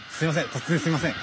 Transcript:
突然すいません。